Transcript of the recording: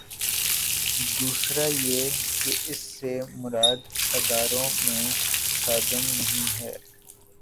دوسرا یہ کہ اس سے مراد اداروں میں تصادم نہیں ہے۔